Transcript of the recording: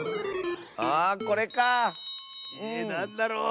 あこれかあ。えなんだろう。